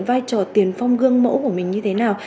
vai trò tiền phong gương mẫu của mình như thế nào